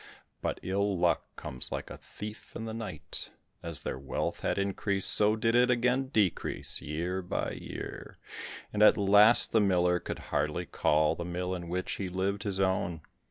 But ill luck comes like a thief in the night, as their wealth had increased so did it again decrease, year by year, and at last the miller could hardly call the mill in which he lived, his own.